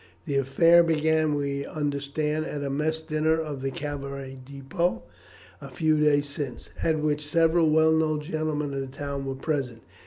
The affair began, we understand, at a mess dinner of the cavalry depôt a few days since, at which several well known gentlemen of the town were present.